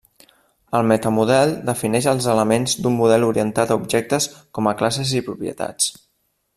El meta-model defineix els elements d’un model orientat a objectes com a classes i propietats.